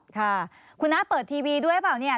ค่ะคุณน้าเปิดทีวีด้วยหรือเปล่าเนี่ย